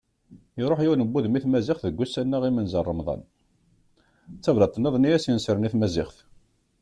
Iruḥ yiwen n wudem i tmaziɣt deg wussan-a imenza n Remḍan, d tablaḍt nniḍen i as-inesren i tmaziɣt.